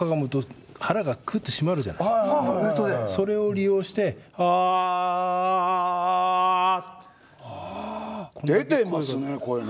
それを利用して「あ」。出てますね声ね。